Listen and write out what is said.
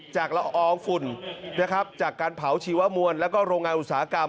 ละอองฝุ่นนะครับจากการเผาชีวมวลแล้วก็โรงงานอุตสาหกรรม